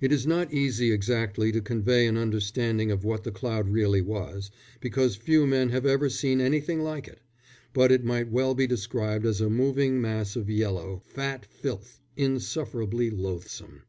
It is not easy exactly to convey an understanding of what the cloud really was, because few men have ever seen anything like it; but it might well be described as a moving mass of yellow, fat filth, insufferably loathsome.